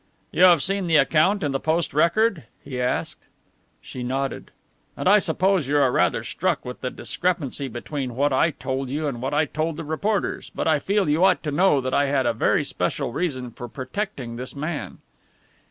"You have seen the account in the Post Record?" he asked. She nodded. "And I suppose you are rather struck with the discrepancy between what I told you and what I told the reporters, but I feel you ought to know that I had a very special reason for protecting this man."